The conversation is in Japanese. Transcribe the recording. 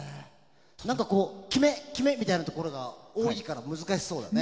決め、決めみたいなところが多いから難しそうだね。